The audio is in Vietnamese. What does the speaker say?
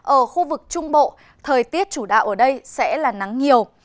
ở khu vực trung bộ thời tiết chủ đạo ở đây sẽ là nắng nhiều